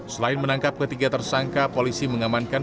selain menangkap ketiga tersangka polisi mengamankan